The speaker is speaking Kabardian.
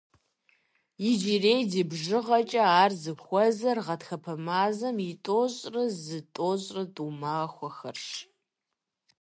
Иджырей ди бжыгъэкӏэ ар зыхуэзэр гъатхэпэ мазэм и тӏощӏрэ зы-тӏощӏрэ тӏу махуэхэрщ.